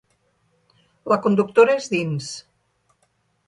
La conductora és dins.